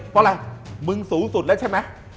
เพราะอะไรมึงสูงสุดแล้วใช่ไหม